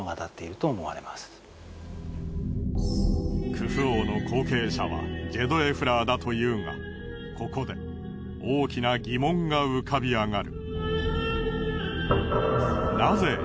クフ王の後継者はジェドエフラーだというがここで大きな疑問が浮かび上がる。